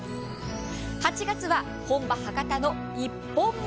８月は本場博多の一本物。